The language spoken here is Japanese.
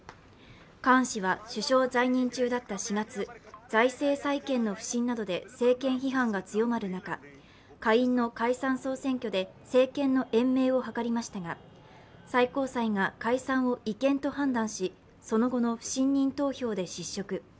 カーン氏は実施在任中だった４月、財政再建の不振などで政権批判が強まる中、下院の解散総選挙で政権の延命を図りましたが最高裁が解散を違憲と判断しその後の不信任投票で失職。